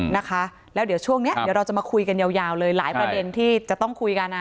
นะคะและเดี๋ยวช่วงนี้ก็จะมาคุยกันยาวยาวหลายประเด็นที่จะต้องคุยกันนะ